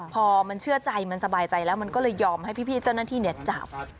พอมันเชื่อใจมันสบายใจแล้วมันก็เลยยอมให้พี่เจ้าหน้าที่จับ